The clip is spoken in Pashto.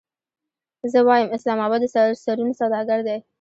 زه وایم اسلام اباد د سرونو سوداګر دی.